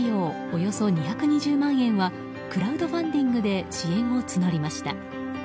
およそ２２０万円はクラウドファンディングで支援を募りました。